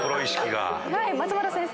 松丸先生。